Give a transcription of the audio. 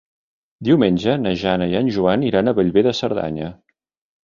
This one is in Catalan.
Diumenge na Jana i en Joan iran a Bellver de Cerdanya.